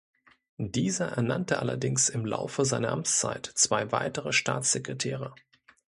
Dieser ernannte allerdings im Laufe seiner Amtszeit zwei weitere Staatssekretäre.